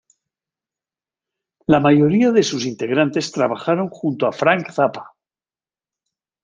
La mayoría de sus integrantes trabajaron junto a Frank Zappa.